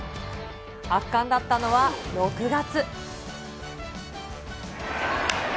圧巻だったのは６月。